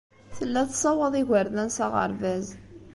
Tella tessawaḍ igerdan s aɣerbaz.